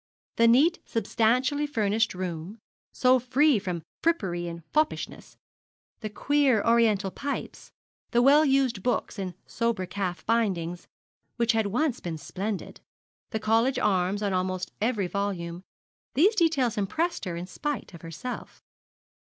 The neat, substantially furnished room so free from frippery or foppishness the queer Oriental pipes the well used books in sober calf bindings, which had once been splendid the college arms on almost every volume these details impressed her in spite of herself.